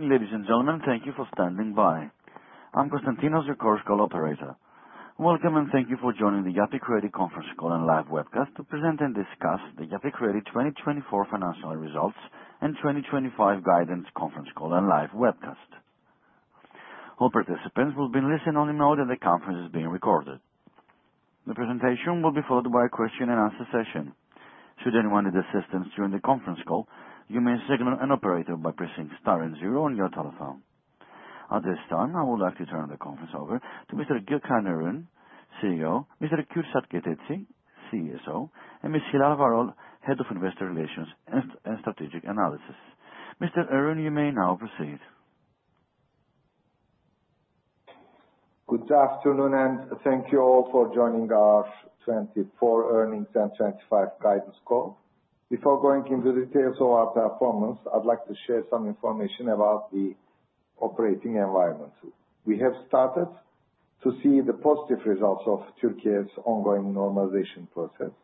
Ladies and gentlemen, thank you for standing by. I'm Konstantinos, your conference call operator. Welcome and thank you for joining the Yapı Kredi conference call and live webcast to present and discuss the Yapı Kredi 2024 financial results and 2025 guidance conference call and live webcast. All participants will be in listen-only mode and note that the conference is being recorded. The presentation will be followed by a question-and-answer session. Should anyone need assistance during the conference call, you may signal an operator by pressing star and zero on your telephone. At this time, I would like to turn the conference over to Mr. Gökhan Erün, CEO; Mr. Kürşad Keteci, CSO; and Ms. Hilal Varol, Head of Investor Relations and Strategic Analysis. Mr. Erün, you may now proceed. Good afternoon and thank you all for joining our 2024 earnings and 2025 guidance call. Before going into details of our performance, I'd like to share some information about the operating environment. We have started to see the positive results of Türkiye's ongoing normalization process,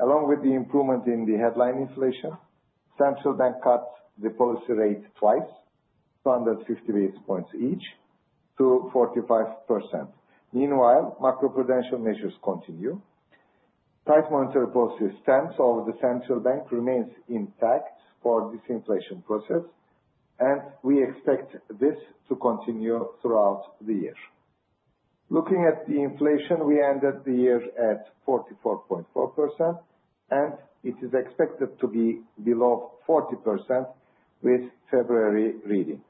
along with the improvement in the headline inflation. The Central Bank cut the policy rate twice, 250 points each, to 45%. Meanwhile, macroprudential measures continue. Tight monetary policy stance of the Central Bank remains intact for disinflation process, and we expect this to continue throughout the year. Looking at the inflation, we ended the year at 44.4%, and it is expected to be below 40% with February reading.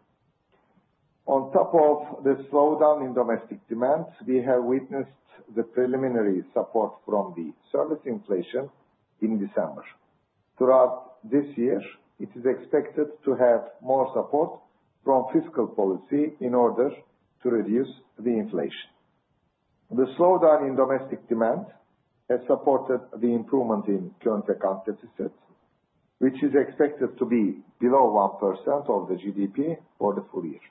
On top of the slowdown in domestic demand, we have witnessed the preliminary support from the service inflation in December. Throughout this year, it is expected to have more support from fiscal policy in order to reduce the inflation. The slowdown in domestic demand has supported the improvement in current account deficit, which is expected to be below 1% of the GDP for the full year.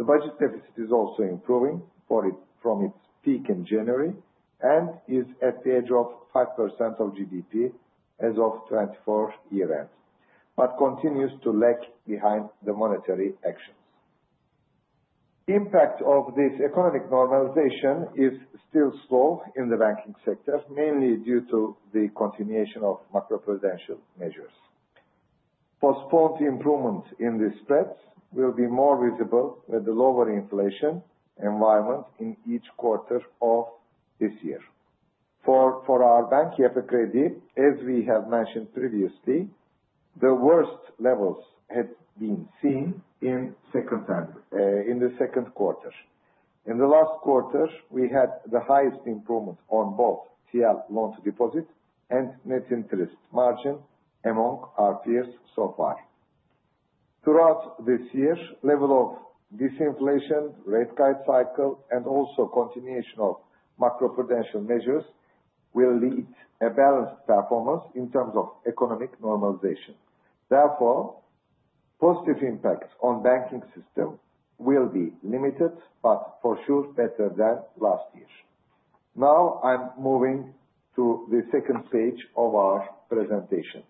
The budget deficit is also improving from its peak in January and is at the edge of 5% of GDP as of 2024 year-end, but continues to lag behind the monetary actions. The impact of this economic normalization is still slow in the banking sector, mainly due to the continuation of macroprudential measures. Postponed improvements in the spreads will be more visible with the lower inflation environment in each quarter of this year. For our bank, Yapı Kredi, as we have mentioned previously, the worst levels had been seen in the second quarter. In the last quarter, we had the highest improvement on both TL loan-to-deposit and net interest margin among our peers so far. Throughout this year, the level of disinflation, rate-cut cycle, and also continuation of macroprudential measures will lead to a balanced performance in terms of economic normalization. Therefore, the positive impact on the banking system will be limited, but for sure better than last year. Now, I'm moving to the second stage of our presentation.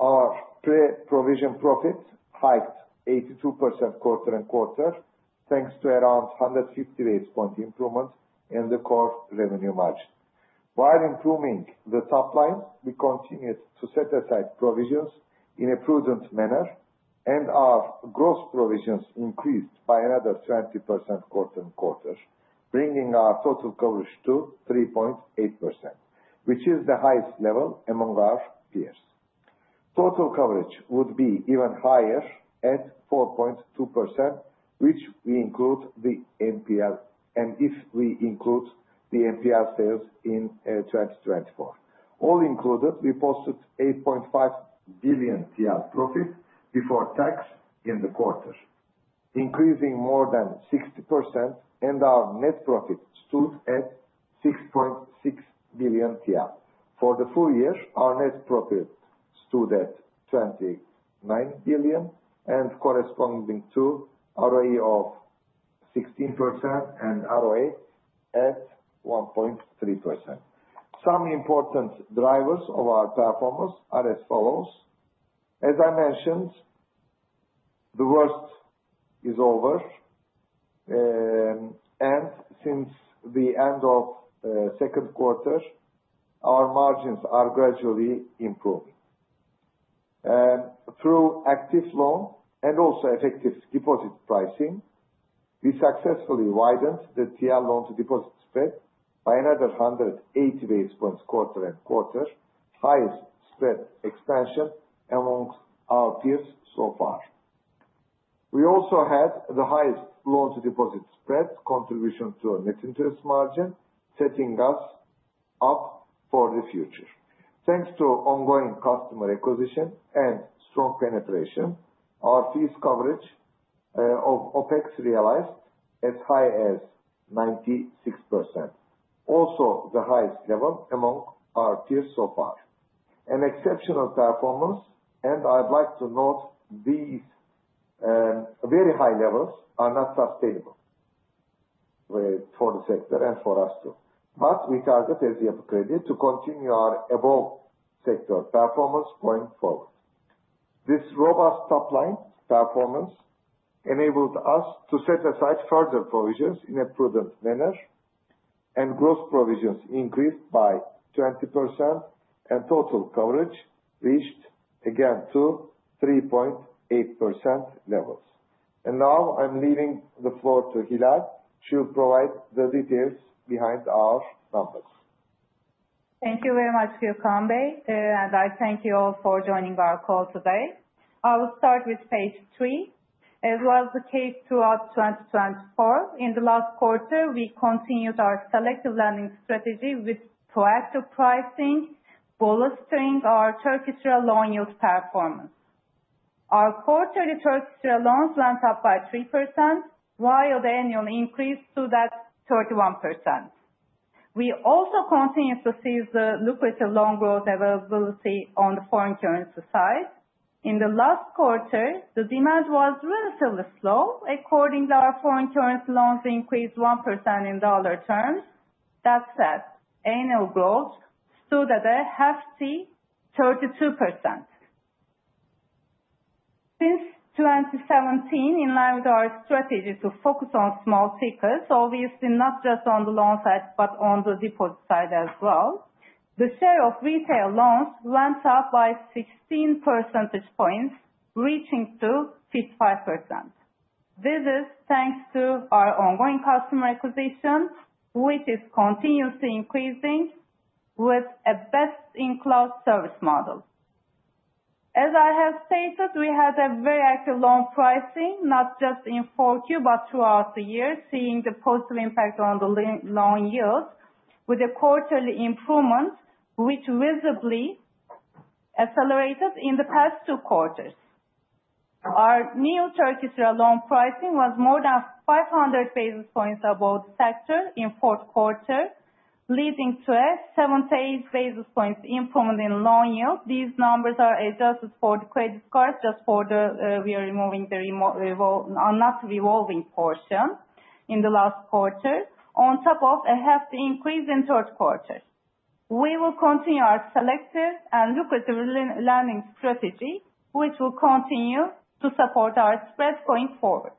Our pre-provision profit hiked 82% quarter-on-quarter, thanks to around 158-point improvement in the core revenue margin. While improving the top line, we continued to set aside provisions in a prudent manner, and our gross provisions increased by another 20% quarter-on-quarter, bringing our total coverage to 3.8%, which is the highest level among our peers. Total coverage would be even higher at 4.2%, which we include the NPL sales in 2024. All included, we posted 8.5 billion TL profit before tax in the quarter, increasing more than 60%, and our net profit stood at 6.6 billion TL. For the full year, our net profit stood at 29 billion, corresponding to ROE of 16% and ROA at 1.3%. Some important drivers of our performance are as follows. As I mentioned, the worst is over, and since the end of the second quarter, our margins are gradually improving. Through active loan and also effective deposit pricing, we successfully widened the TL loan-to-deposit spread by another 180 basis points quarter-on-quarter, the highest spread expansion among our peers so far. We also had the highest loan-to-deposit spread contribution to net interest margin, setting us up for the future. Thanks to ongoing customer acquisition and strong penetration, our fees coverage of OPEX realized as high as 96%, also the highest level among our peers so far. An exceptional performance, and I'd like to note these very high levels are not sustainable for the sector and for us too, but we target, as Yapı Kredi, to continue our above-sector performance going forward. This robust top-line performance enabled us to set aside further provisions in a prudent manner, and gross provisions increased by 20%, and total coverage reached again to 3.8% levels. Now, I'm leaving the floor to Hilal. She'll provide the details behind our numbers. Thank you very much for your welcome back, and I thank you all for joining our call today. I will start with page three. As was the case throughout 2024, in the last quarter, we continued our selective lending strategy with proactive pricing, bolstering our Turkish Lira loan yield performance. Our quarterly Turkish Lira loans went up by 3%, while the annual increase stood at 31%. We also continued to see the lucrative loan growth availability on the foreign currency side. In the last quarter, the demand was relatively slow. Accordingly, our foreign currency loans increased 1% in dollar terms. That said, annual growth stood at a hefty 32%. Since 2017, in line with our strategy to focus on small ticket, obviously not just on the loan side, but on the deposit side as well, the share of retail loans went up by 16 percentage points, reaching 55%. This is thanks to our ongoing customer acquisition, which is continuously increasing with a best-in-class service model. As I have stated, we had a very active loan pricing, not just in 4Q, but throughout the year, seeing the positive impact on the loan yield, with a quarterly improvement which visibly accelerated in the past two quarters. Our new Turkish Lira loan pricing was more than 500 basis points above the sector in the fourth quarter, leading to a 7 to 8 basis points improvement in loan yield. These numbers are adjusted for the credit cards, just for the (we are removing the not revolving portion in the last quarter) on top of a hefty increase in the third quarter. We will continue our selective and lucrative lending strategy, which will continue to support our spread going forward.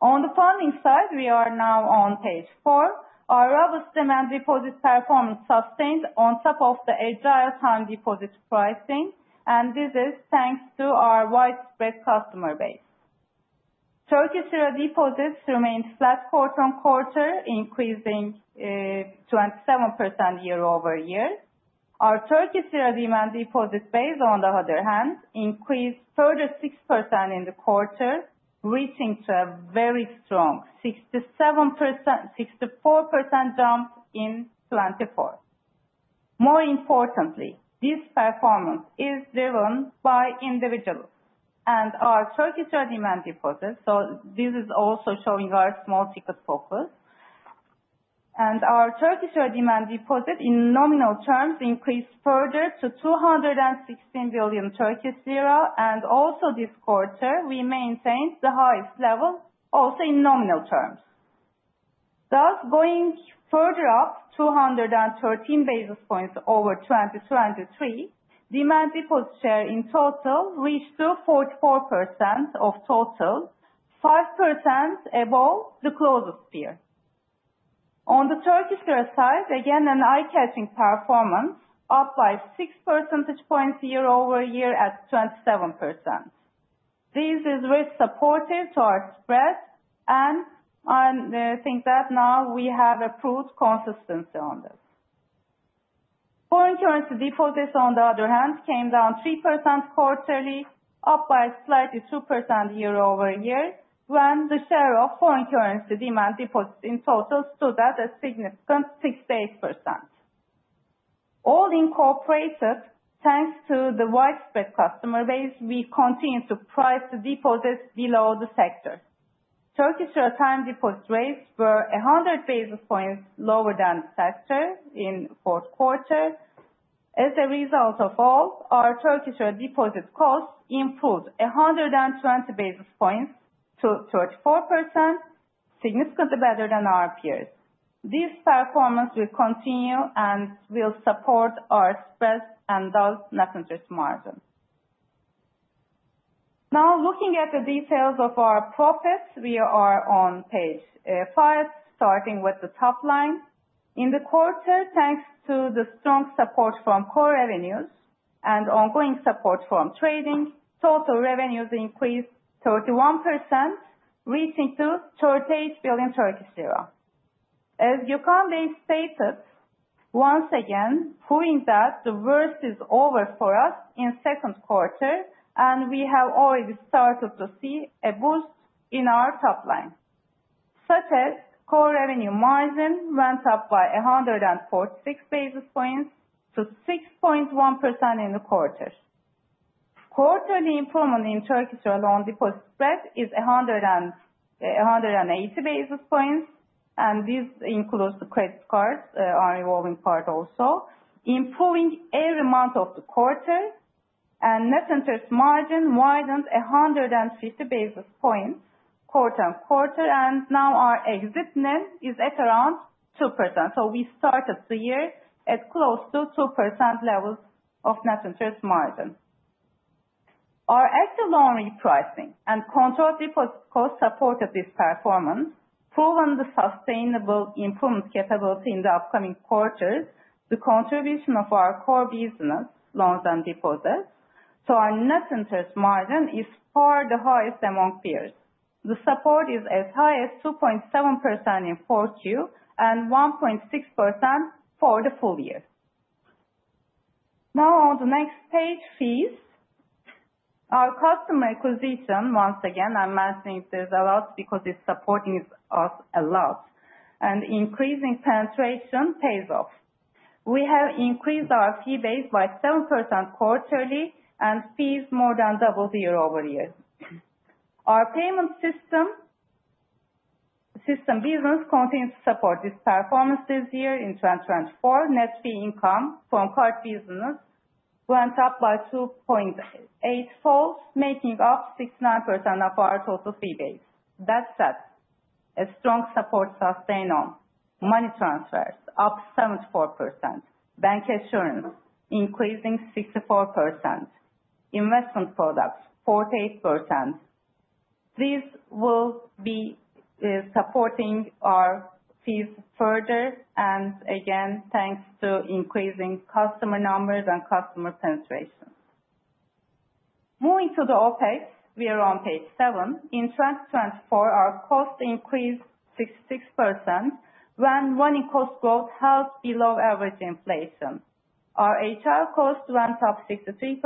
On the funding side, we are now on page four. Our robust demand deposit performance sustained on top of the agile time deposit pricing, and this is thanks to our widespread customer base. Turkish Lira deposits remained flat quarter-on-quarter, increasing 27% year-over-year. Our Turkish Lira demand deposit base, on the other hand, increased further 6% in the quarter, reaching a very strong 64% jump in 2024. More importantly, this performance is driven by individuals, and our Turkish Lira demand deposits—so this is also showing our small ticket focus—and our Turkish Lira demand deposit, in nominal terms, increased further to 216 billion Turkish lira. Also this quarter, we maintained the highest level, also in nominal terms. Thus, going further up 213 basis points over 2023, demand deposit share in total reached 44% of total, 5% above the closest year. On the Turkish Lira side, again, an eye-catching performance up by 6 percentage points year-over-year at 27%. This is very supportive to our spread, and I think that now we have a proved consistency on this. Foreign currency deposits, on the other hand, came down 3% quarterly, up by slightly 2% year-over-year, when the share of foreign currency demand deposits in total stood at a significant 6% to 8%. All incorporated, thanks to the widespread customer base, we continue to price the deposits below the sector. Turkish Lira time deposit rates were 100 basis points lower than the sector in the fourth quarter. As a result of all, our Turkish Lira deposit costs improved 120 basis points to 34%, significantly better than our peers. This performance will continue and will support our spread and thus net interest margin. Now, looking at the details of our profits, we are on page five, starting with the top line. In the quarter, thanks to the strong support from core revenues and ongoing support from trading, total revenues increased 31%, reaching 38 billion Turkish lira. As Gökhan Erün stated, once again, proving that the worst is over for us in the second quarter, and we have already started to see a boost in our top line. The core revenue margin went up by 146 basis points to 6.1% in the quarter. Quarterly improvement in Turkish Lira loan deposit spread is 180 basis points, and this includes the credit cards, our revolving part also, improving every month of the quarter, and net interest margin widened 150 basis points quarter-on-quarter, and now our exit NIM is at around 2%, so we started the year at close to 2% levels of net interest margin. Our active loan repricing and controlled deposit costs supported this performance, proving the sustainable improvement capability in the upcoming quarters, the contribution of our core business loans and deposits. So our net interest margin is far the highest among peers. The support is as high as 2.7% in 4Q and 1.6% for the full year. Now, on the next page, fees. Our customer acquisition, once again, I'm mentioning this a lot because it's supporting us a lot, and increasing penetration pays off. We have increased our fee base by 7% quarterly and fees more than double the year-over-year. Our payment system business continues to support this performance this year. In 2024, net fee income from card business went up by 2.8-fold, making up 69% of our total fee base. That said, a strong support sustained on money transfers, up 74%, bancassurance increasing 64%, investment products 48%. These will be supporting our fees further, and again, thanks to increasing customer numbers and customer penetration. Moving to the OpEx, we are on page seven. In 2024, our cost increased 66% when running cost growth held below average inflation. Our HR cost went up 63%,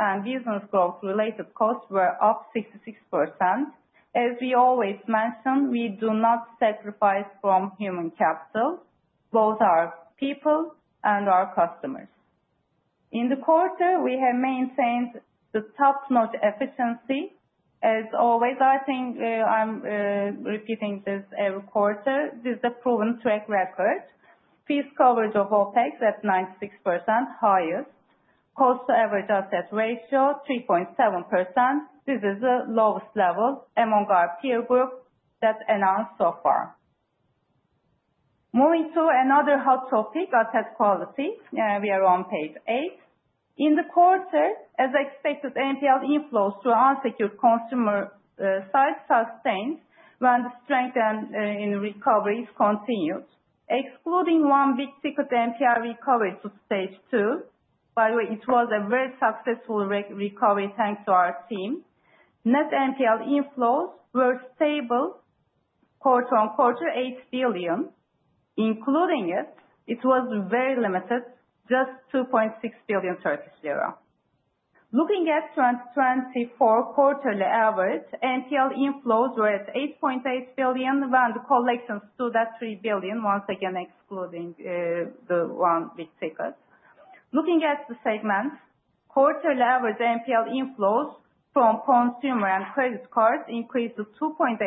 and business growth-related costs were up 66%. As we always mention, we do not sacrifice from human capital, both our people and our customers. In the quarter, we have maintained the top-notch efficiency. As always, I think I'm repeating this every quarter. This is a proven track record. Fees coverage of OpEx at 96% highest. Cost-to-average asset ratio 3.7%. This is the lowest level among our peer group that announced so far. Moving to another hot topic, asset quality. We are on page eight. In the quarter, as expected, NPL inflows through unsecured consumer sites sustained when the strength in recovery is continued. Excluding one big ticket, the NPL recovery to Stage 2, by the way, it was a very successful recovery thanks to our team. Net NPL inflows were stable quarter-on-quarter, 8 billion. Including it, it was very limited, just 2.6 billion Turkish lira. Looking at 2024 quarterly average, NPL inflows were at 8.8 billion when the collections stood at 3 billion, once again excluding the one big ticket. Looking at the segment, quarterly average NPL inflows from consumer and credit cards increased to 2.8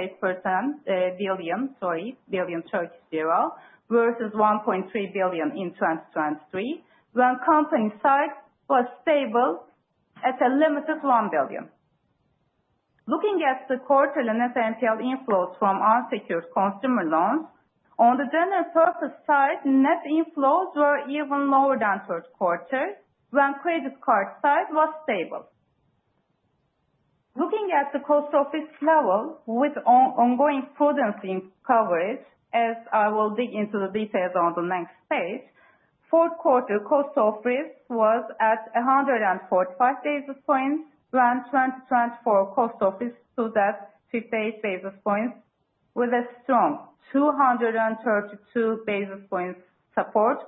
billion, sorry, billion Turkish lira versus 1.3 billion in 2023, when corporate size was stable at a limited 1 billion. Looking at the quarterly net NPL inflows from unsecured consumer loans, on the general purpose side, net inflows were even lower than third quarter when credit card size was stable. Looking at the cost of risk level with ongoing prudence in coverage, as I will dig into the details on the next page, fourth quarter cost of risk was at 145 basis points when 2024 cost of risk stood at 58 basis points with a strong 232 basis points support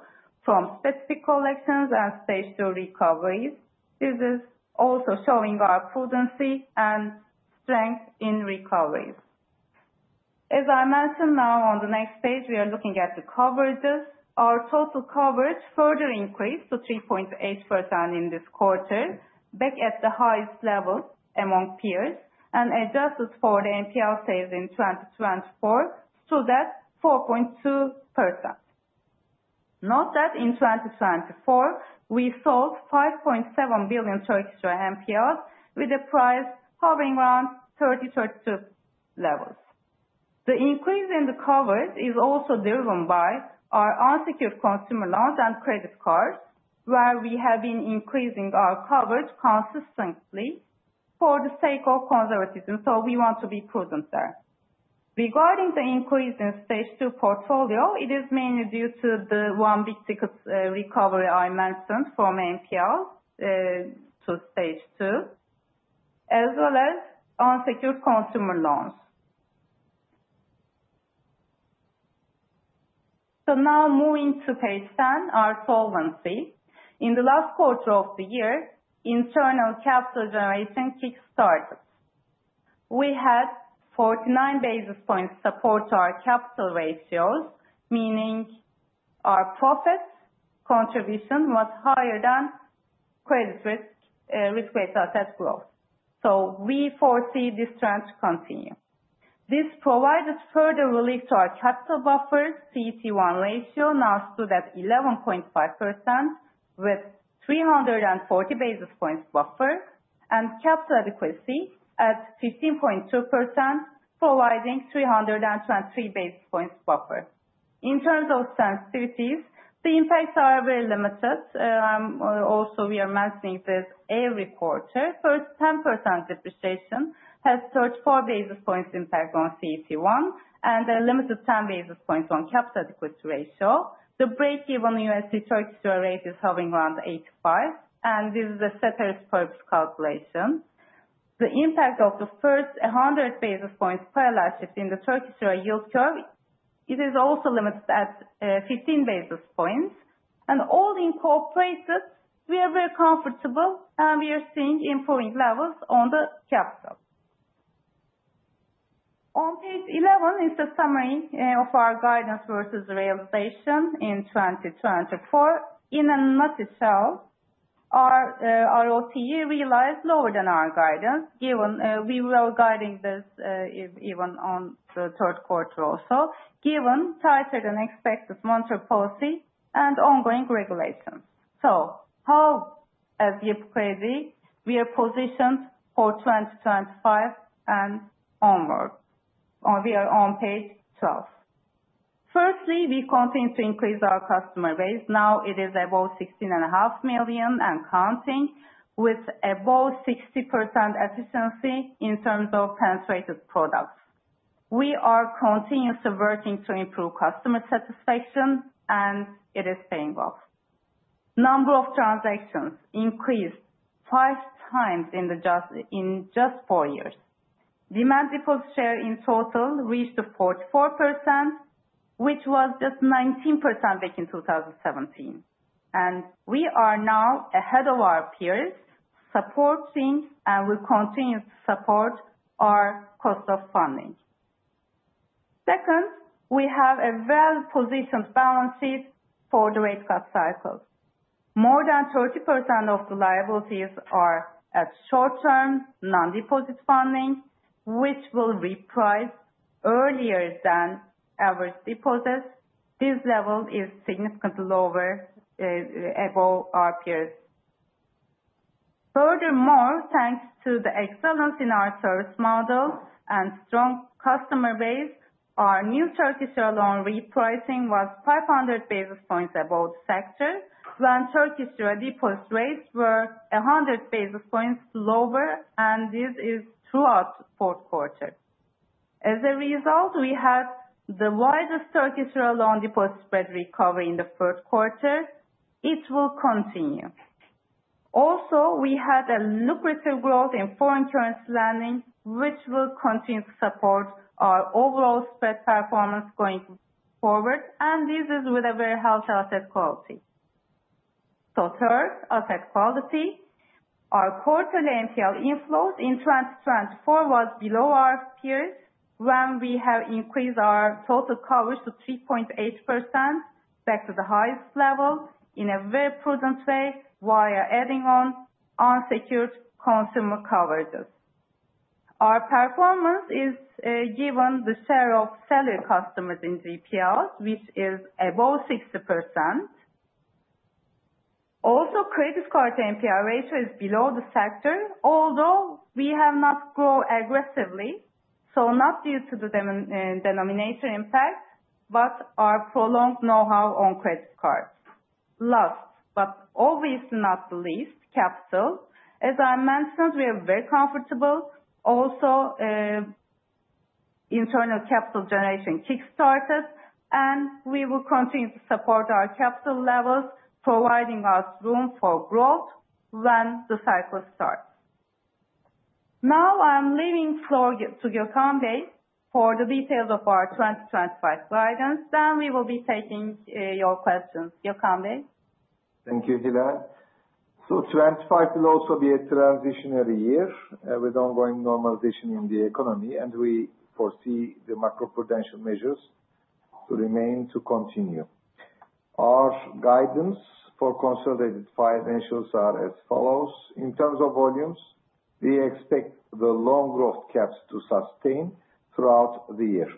from specific collections and Stage 2 recoveries. This is also showing our prudence and strength in recoveries. As I mentioned, now on the next page, we are looking at the coverages. Our total coverage further increased to 3.8% in this quarter, back at the highest level among peers, and adjusted for the NPL sales in 2024, stood at 4.2%. Note that in 2024, we sold TRY 5.7 billion NPLs with a price hovering around 30-32 levels. The increase in the coverage is also driven by our unsecured consumer loans and credit cards, where we have been increasing our coverage consistently for the sake of conservatism. So we want to be prudent there. Regarding the increase in stage two portfolio, it is mainly due to the one big ticket recovery I mentioned from NPL to stage two, as well as unsecured consumer loans. So now moving to page 10, our solvency. In the last quarter of the year, internal capital generation kickstarted. We had 49 basis points support to our capital ratios, meaning our profit contribution was higher than credit risk-based asset growth. So we foresee this trend to continue. This provided further relief to our capital buffer. CET1 ratio now stood at 11.5% with 340 basis points buffer and capital adequacy at 15.2%, providing 323 basis points buffer. In terms of sensitivities, the impacts are very limited. Also, we are mentioning this every quarter. First, 10% depreciation has 34 basis points impact on CET1 and a limited 10 basis points on capital adequacy ratio. The break-even USD/TRY rate is hovering around 85, and this is a separate purpose calculation. The impact of the first 100 basis points parallel shift in the Turkish lira yield curve, it is also limited at 15 basis points, and all incorporated, we are very comfortable, and we are seeing improving levels on the capital. On page 11 is the summary of our guidance versus realization in 2024. In a nutshell, our ROT realized lower than our guidance, given we were guiding this even on the third quarter also, given tighter than expected monetary policy and ongoing regulations. So how, as Yapı Kredi, we are positioned for 2025 and onward? We are on page 12. Firstly, we continue to increase our customer base. Now it is about 16.5 million and counting, with about 60% efficiency in terms of penetrated products. We are continuously working to improve customer satisfaction, and it is paying off. Number of transactions increased five times in just four years. Demand deposit share in total reached 44%, which was just 19% back in 2017. We are now ahead of our peers, supporting, and we'll continue to support our cost of funding. Second, we have a well-positioned balance sheet for the rate cut cycle. More than 30% of the liabilities are at short-term non-deposit funding, which will reprice earlier than average deposits. This level is significantly lower than our peers. Furthermore, thanks to the excellence in our service model and strong customer base, our new Turkish lira loan repricing was 500 basis points above the sector when Turkish lira deposit rates were 100 basis points lower, and this is throughout the fourth quarter. As a result, we had the widest Turkish lira loan deposit spread recovery in the third quarter. It will continue. Also, we had a lucrative growth in foreign currency lending, which will continue to support our overall spread performance going forward, and this is with a very healthy asset quality. So third, asset quality. Our quarterly NPL inflows in 2024 were below our peers when we have increased our total coverage to 3.8% back to the highest level in a very prudent way via adding on unsecured consumer coverages. Our performance is given the share of salary customers in GPLs, which is above 60%. Also, credit card NPL ratio is below the sector, although we have not grown aggressively, so not due to the denominator impact, but our prolonged know-how on credit cards. Last, but obviously not the least, capital. As I mentioned, we are very comfortable. Also, internal capital generation kickstarted, and we will continue to support our capital levels, providing us room for growth when the cycle starts. Now I'm leaving floor to Gökhan Erün for the details of our 2025 guidance. Then we will be taking your questions. Gökhan Erün. Thank you, Hilal. So 2025 will also be a transitionary year with ongoing normalization in the economy, and we foresee the macroprudential measures to remain to continue. Our guidance for consolidated financials is as follows. In terms of volumes, we expect the loan growth caps to sustain throughout the year.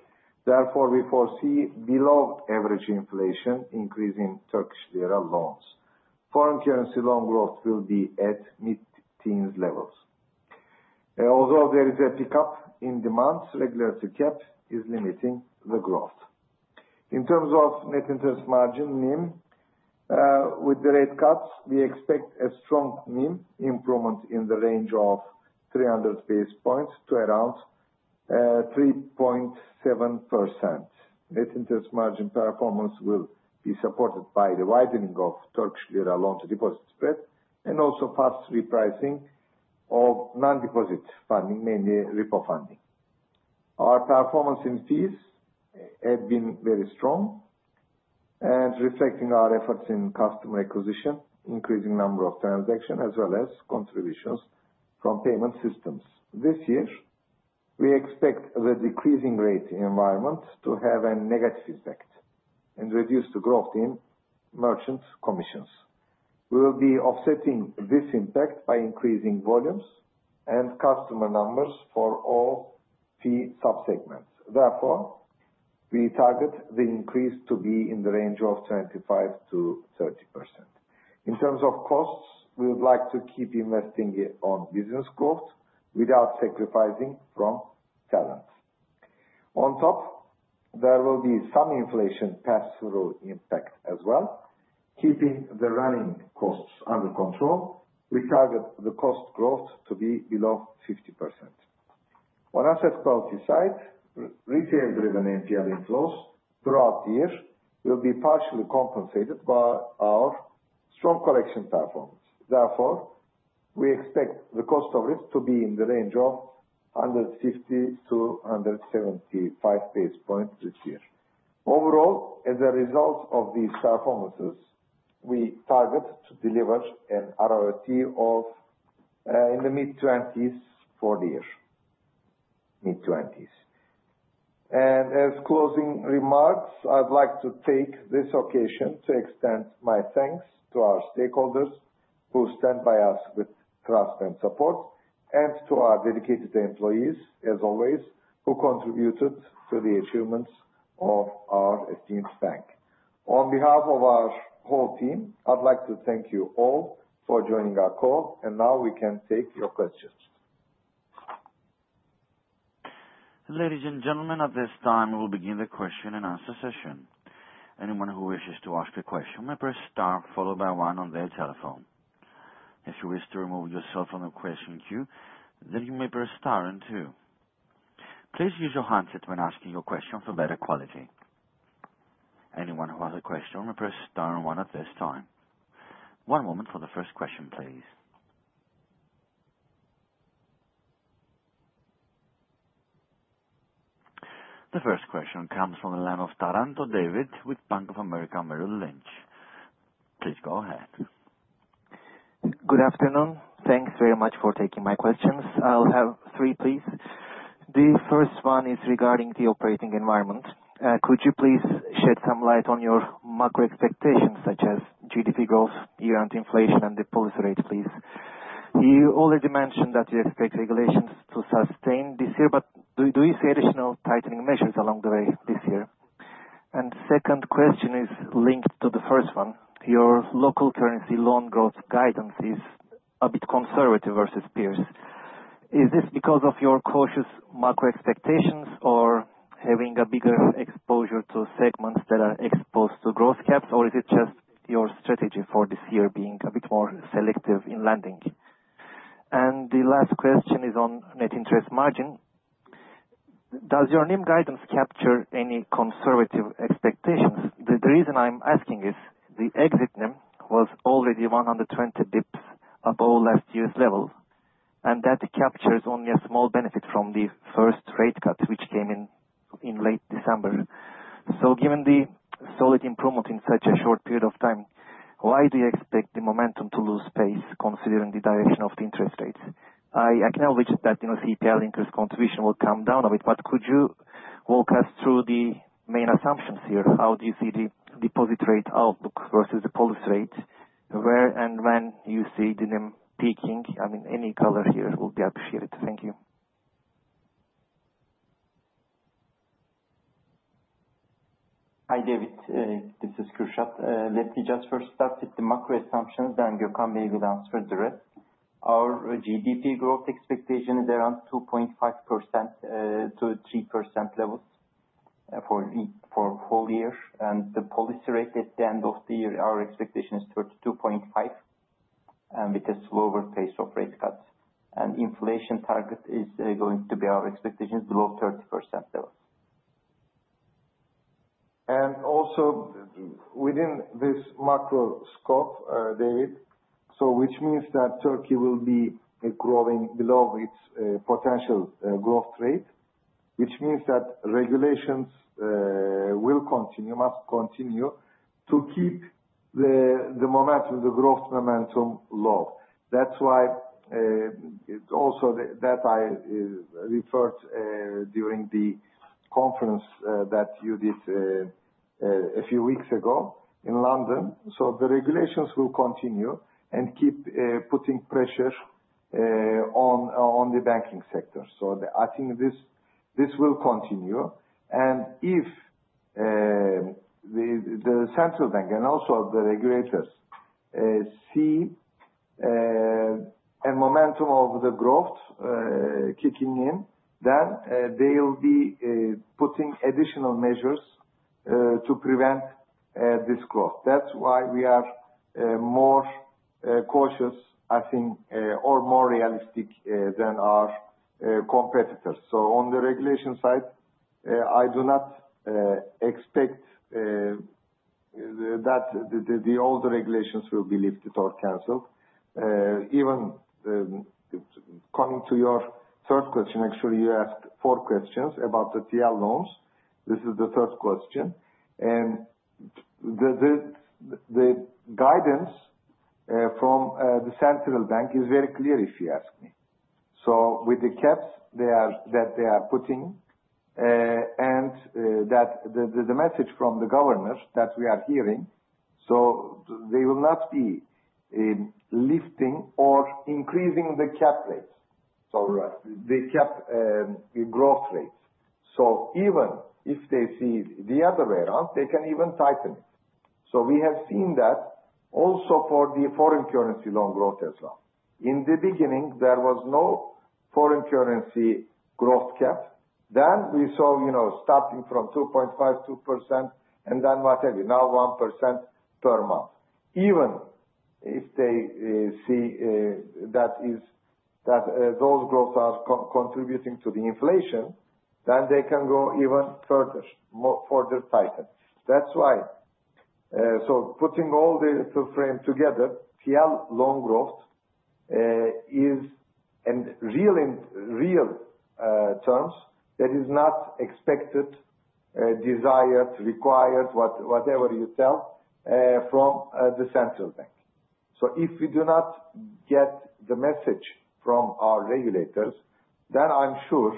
Therefore, we foresee below average inflation increase in Turkish lira loans. Foreign currency loan growth will be at mid-teens levels. Although there is a pickup in demand, regulatory cap is limiting the growth. In terms of net interest margin, NIM, with the rate cuts, we expect a strong NIM improvement in the range of 300 basis points to around 3.7%. Net interest margin performance will be supported by the widening of Turkish lira loan to deposit spread and also fast repricing of non-deposit funding, mainly repo funding. Our performance in fees has been very strong and reflecting our efforts in customer acquisition, increasing number of transactions, as well as contributions from payment systems. This year, we expect the decreasing rate environment to have a negative impact and reduce the growth in merchant commissions. We will be offsetting this impact by increasing volumes and customer numbers for all fee subsegments. Therefore, we target the increase to be in the range of 25%-30%. In terms of costs, we would like to keep investing on business growth without sacrificing from talent. On top, there will be some inflation pass-through impact as well. Keeping the running costs under control, we target the cost growth to be below 50%. On asset quality side, retail-driven NPL inflows throughout the year will be partially compensated by our strong collection performance. Therefore, we expect the cost of risk to be in the range of 150-175 basis points this year. Overall, as a result of these performances, we target to deliver an ROT of in the mid-20s for the year. Mid-20s. And as closing remarks, I'd like to take this occasion to extend my thanks to our stakeholders who stand by us with trust and support and to our dedicated employees, as always, who contributed to the achievements of our esteemed bank. On behalf of our whole team, I'd like to thank you all for joining our call, and now we can take your questions. Ladies and gentlemen, at this time, we will begin the question and answer session. Anyone who wishes to ask a question may press star followed by one on their telephone. If you wish to remove yourself from the question queue, then you may press star and two. Please use your handset when asking your question for better quality. Anyone who has a question may press star and one at this time. One moment for the first question, please. The first question comes from David Taranto with Bank of America Merrill Lynch. Please go ahead. Good afternoon. Thanks very much for taking my questions. I'll have three, please. The first one is regarding the operating environment. Could you please shed some light on your macro expectations, such as GDP growth, year-end inflation, and the policy rate, please? You already mentioned that you expect regulations to sustain this year, but do you see additional tightening measures along the way this year? And the second question is linked to the first one. Your local currency loan growth guidance is a bit conservative versus peers. Is this because of your cautious macro expectations or having a bigger exposure to segments that are exposed to growth caps, or is it just your strategy for this year being a bit more selective in lending? And the last question is on net interest margin. Does your NIM guidance capture any conservative expectations? The reason I'm asking is the exit NIM was already 120 basis points above last year's level, and that captures only a small benefit from the first rate cut, which came in late December. So given the solid improvement in such a short period of time, why do you expect the momentum to lose pace considering the direction of the interest rates? I acknowledge that GPL increase contribution will come down a bit, but could you walk us through the main assumptions here? How do you see the deposit rate outlook versus the policy rate? Where and when you see the NIM peaking? I mean, any color here will be appreciated. Thank you. Hi, David. This is Kürşad. Let me just first start with the macro assumptions, then Gökhan Erün will answer the rest. Our GDP growth expectation is around 2.5%-3% levels for the whole year, and the policy rate at the end of the year, our expectation is 32.5%, and with a slower pace of rate cuts, and the inflation target is going to be our expectation below 30% levels And also, within this macro scope, David, which means that Turkey will be growing below its potential growth rate, which means that regulations will continue, must continue to keep the momentum, the growth momentum low. That's why it's also that I referred during the conference that you did a few weeks ago in London, so the regulations will continue and keep putting pressure on the banking sector, so I think this will continue, and if the Central Bank and also the regulators see a momentum of the growth kicking in, then they'll be putting additional measures to prevent this growth. That's why we are more cautious, I think, or more realistic than our competitors. So on the regulation side, I do not expect that the old regulations will be lifted or canceled. Even coming to your third question, actually, you asked four questions about the TL loans. This is the third question. And the guidance from the Central Bank is very clear, if you ask me. So with the caps that they are putting and the message from the governors that we are hearing, so they will not be lifting or increasing the cap rates, the cap growth rates. So even if they see the other way around, they can even tighten it. So we have seen that also for the foreign currency loan growth as well. In the beginning, there was no foreign currency growth cap. Then we saw starting from 2.5%, 2%, and then whatever, now 1% per month. Even if they see that those growths are contributing to the inflation, then they can go even further, further tightened. That's why. So putting all the frame together, TL loan growth is in real terms, that is not expected, desired, required, whatever you tell, from the Central Bank. So if we do not get the message from our regulators, then I'm sure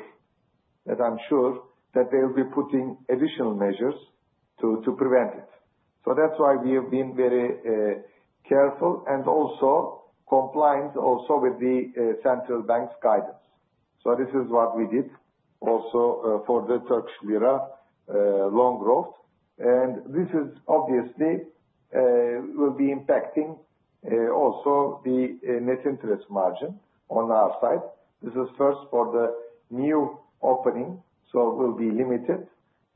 that they'll be putting additional measures to prevent it. So that's why we have been very careful and also compliant also with the Central Bank's guidance. So this is what we did also for the Turkish Lira loan growth. And this is obviously will be impacting also the net interest margin on our side. This is first for the new opening, so it will be limited.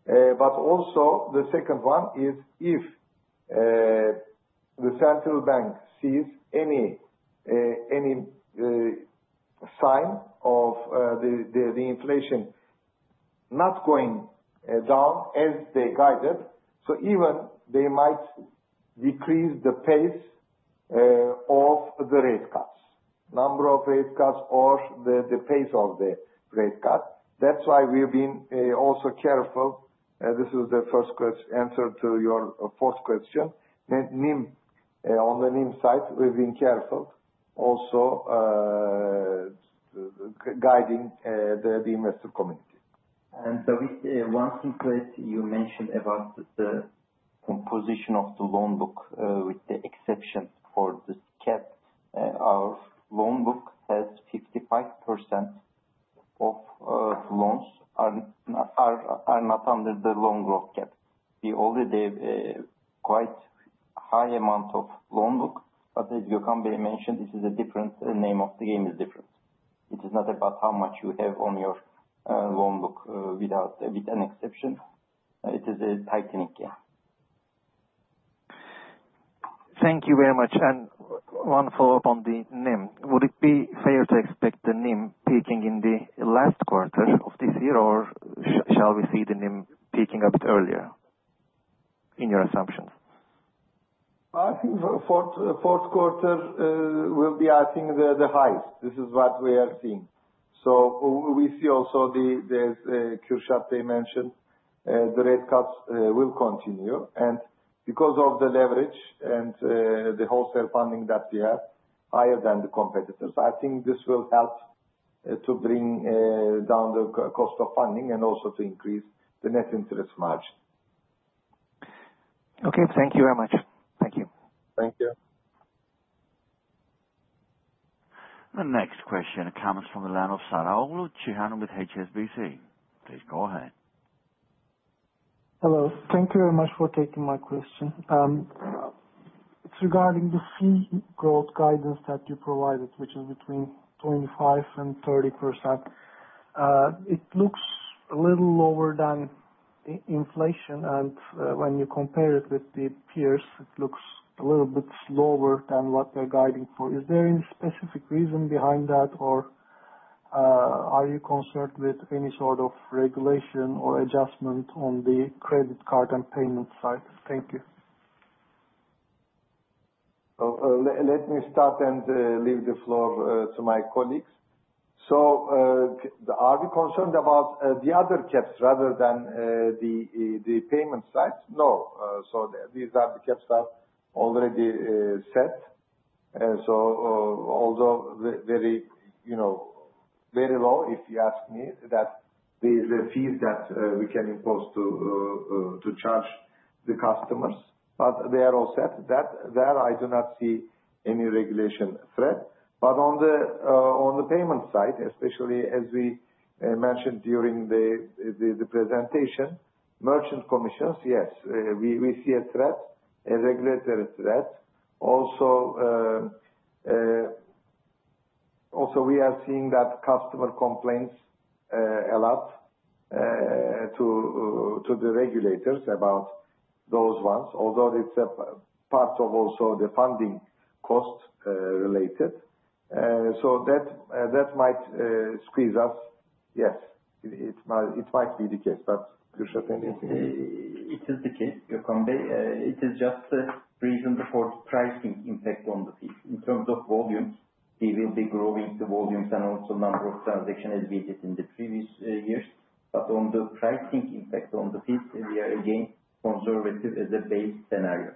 But also the second one is if the Central Bank sees any sign of the inflation not going down as they guided, so even they might decrease the pace of the rate cuts, number of rate cuts or the pace of the rate cut. That's why we've been also careful. This is the first answer to your fourth question. On the NIM side, we've been careful also guiding the investor community. And the one thing that you mentioned about the composition of the loan book with the exception for the cap, our loan book has 55% of loans are not under the loan growth cap. We already have quite a high amount of loan book, but as Gökhan Erün mentioned, this is a different name of the game is different. It is not about how much you have on your loan book with an exception. It is a tightening game. Thank you very much. And one follow-up on the NIM. Would it be fair to expect the NIM peaking in the last quarter of this year, or shall we see the NIM peaking a bit earlier in your assumptions? I think the fourth quarter will be, I think, the highest. This is what we are seeing. So we see also the Kürşad mentioned the rate cuts will continue. And because of the leverage and the wholesale funding that we have higher than the competitors, I think this will help to bring down the cost of funding and also to increase the net interest margin. Okay. Thank you very much. Thank you. Thank you. And next question, a comment from Cihan with HSBC. Please go ahead. Hello. Thank you very much for taking my question. It's regarding the fee growth guidance that you provided, which is between 25% and 30%. It looks a little lower than inflation, and when you compare it with the peers, it looks a little bit slower than what they're guiding for. Is there any specific reason behind that, or are you concerned with any sort of regulation or adjustment on the credit card and payment side? Thank you. Let me start and leave the floor to my colleagues. So are we concerned about the other caps rather than the payment side? No. So these are the caps that are already set. So although very low, if you ask me, that the fees that we can impose to charge the customers, but they are all set. There I do not see any regulation threat. But on the payment side, especially as we mentioned during the presentation, merchant commissions, yes, we see a threat, a regulatory threat. Also we are seeing that customer complaints a lot to the regulators about those ones, although it's a part of also the funding cost related. So that might squeeze us. Yes, it might be the case, but Kürşad, anything? It is the case, Gökhan Erün. It is just the reason for the pricing impact on the fees. In terms of volumes, we will be growing the volumes and also the number of transactions as we did in the previous years. But on the pricing impact on the fees, we are again conservative as a base scenario.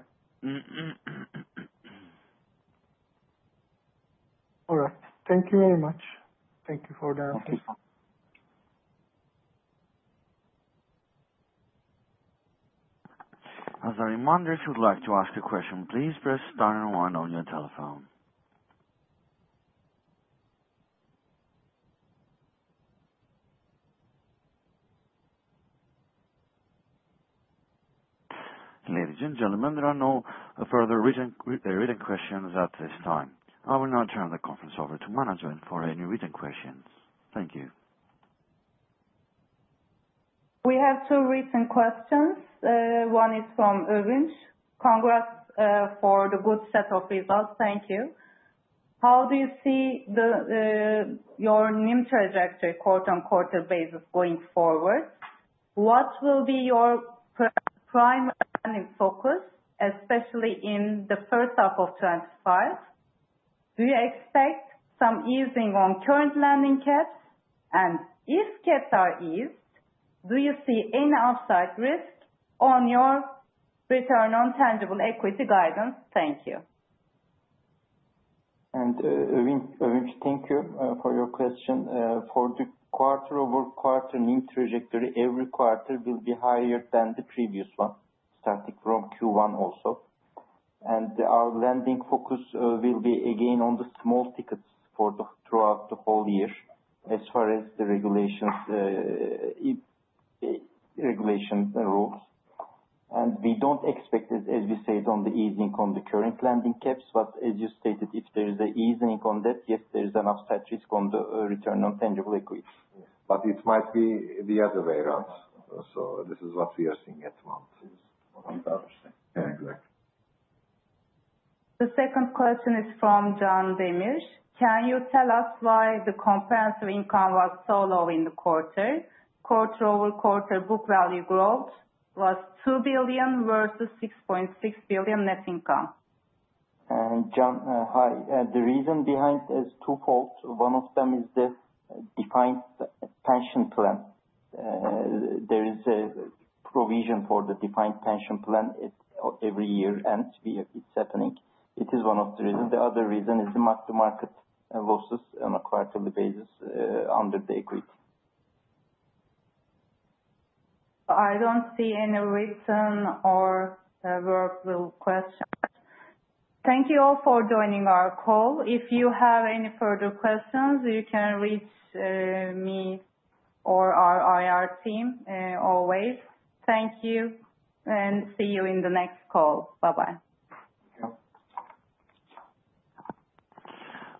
All right. Thank you very much. Thank you for the answers. Thank you. As a reminder, if you'd like to ask a question, please press star and one on your telephone. Ladies and gentlemen, there are no further written questions at this time. I will now turn the conference over to management for any written questions. Thank you. We have two written questions. One is from Erün. Congrats for the good set of results. Thank you. How do you see your NIM trajectory quarter-on-quarter basis going forward? What will be your primary lending focus, especially in the first half of 2025? Do you expect some easing on current lending caps? And if caps are eased, do you see any upside risk on your return on tangible equity guidance? Thank you. And Erün, thank you for your question. For the quarter-over-quarter NIM trajectory, every quarter will be higher than the previous one, starting from Q1 also. And our lending focus will be again on the small tickets throughout the whole year as far as the regulation rules. We don't expect, as we said, on the easing on the current lending caps, but as you stated, if there is an easing on that, yes, there is an upside risk on the return on tangible equity. But it might be the other way around. So this is what we are seeing at the moment. Yeah, exactly. The second question is from Can Demir. Can you tell us why the comprehensive income was so low in the quarter? Quarter-over-quarter book value growth was TL two billion versus TL 6.6 billion net income. John, hi. The reason behind it is twofold. One of them is the defined pension plan. There is a provision for the defined pension plan every year, and it's happening. It is one of the reasons. The other reason is the mark-to-market losses on a quarterly basis under the equity. I don't see any written or verbal questions. Thank you all for joining our call. If you have any further questions, you can reach me or our IR team always. Thank you, and see you in the next call. Bye-bye. Thank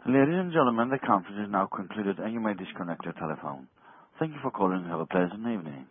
you. Ladies and gentlemen, the conference is now concluded, and you may disconnect your telephone. Thank you for calling. Have a pleasant evening.